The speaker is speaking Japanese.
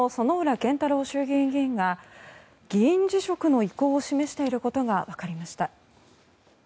健太郎衆議院議員が議員辞職の意向を示していることがわかりました。